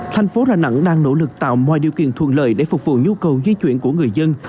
thành phố đà nẵng đang nỗ lực tạo mọi điều kiện thuận lợi để phục vụ nhu cầu di chuyển của người dân